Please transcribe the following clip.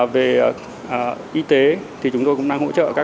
về y tế thì chúng tôi cũng đang hỗ trợ các